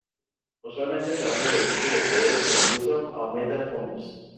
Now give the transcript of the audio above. Usualmente el tamaño del disco y el poder de impulso aumentan juntos.